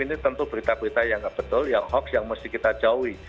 ini tentu berita berita yang nggak betul yang hoax yang mesti kita jauhi